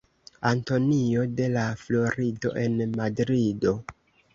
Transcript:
Antonio de La Florido en Madrido.